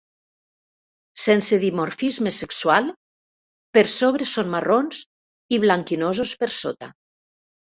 Sense dimorfisme sexual, per sobre són marrons i blanquinosos per sota.